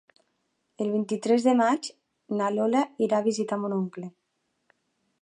El vint-i-tres de maig na Lola irà a visitar mon oncle.